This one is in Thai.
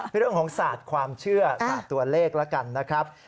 เรื่องของศาสตร์ความเชื่อศาสตร์ตัวเลขแล้วกันนะครับ